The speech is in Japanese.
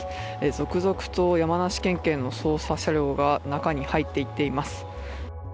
続々と山梨県警の捜査車両が、中に入っていっています。